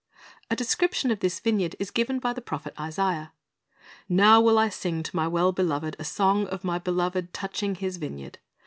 A description of this vineyard is given by the prophet Isaiah: "Now will I sing to my well beloved a song of my beloved touching His vineyard.